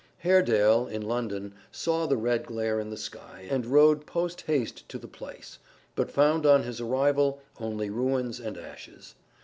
Haredale, in London, saw the red glare in the sky and rode post haste to the place, but found on his arrival only ruins and ashes.